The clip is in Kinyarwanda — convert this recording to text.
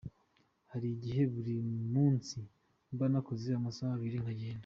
Hari igihe buri munsi mba nakoze amasaha abiri nkagenda".